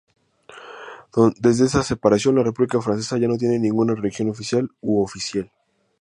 Desde esta separación, la República Francesa ya no tiene ninguna religión oficial u oficial.